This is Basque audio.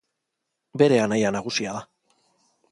Bere anaia nagusia da.